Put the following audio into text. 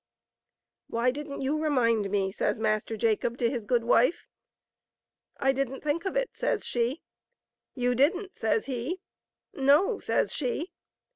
" Why didn't you remind me ?" says Master Jacob to his good wife. " I didn't think of it," says she. "You didn't?" says he. " No," says she.